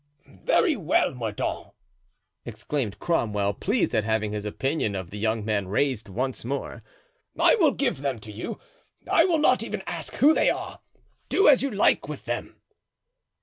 "Very well, Mordaunt," exclaimed Cromwell, pleased at having his opinion of the young man raised once more; "I will give them to you; I will not even ask who they are; do as you like with them."